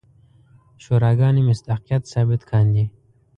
شوراګانې مصداقیت ثابت کاندي.